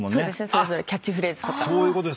それぞれキャッチフレーズとか。